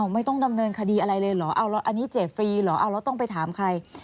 ไม่ต้องดำเนินคดีอะไรเลยเหรอเอาแล้วอันนี้เจ็บฟรีเหรอเอาแล้วต้องไปถามใคร